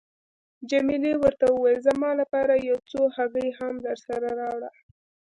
جميله ورته وویل: زما لپاره یو څو هګۍ هم درسره راوړه.